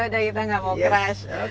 ya udah kita enggak mau crash